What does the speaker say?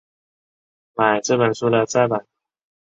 买这本书的再版